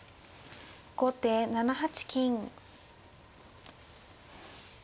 後手７八金。